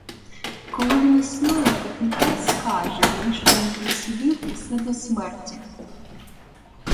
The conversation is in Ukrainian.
Коли він існує, так нехай скаже, навіщо він присудив усе до смерті!